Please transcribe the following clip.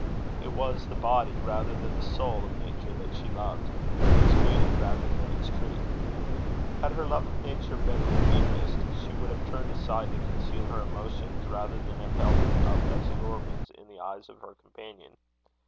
It was the body, rather than the soul, of nature that she loved its beauty rather than its truth. Had her love of nature been of the deepest, she would have turned aside to conceal her emotions rather than have held them up as allurements in the eyes of her companion.